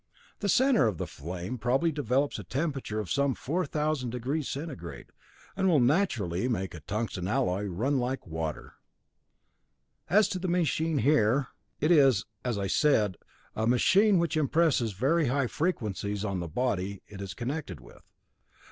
The center flame probably develops a temperature of some 4000° centigrade, and will naturally make that tungsten alloy run like water. "As to the machine here it is, as I said, a machine which impresses very high frequencies on the body it is connected with.